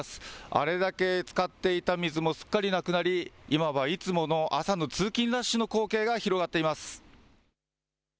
あれだけつかっていた水もすっかりなくなり今はいつもの朝の通勤ラッシュの光景が広がっています。